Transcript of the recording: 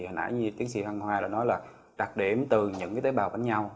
hồi nãy như tiến sĩ hoàng hoa đã nói là đặc điểm từ những tế bào bánh nhau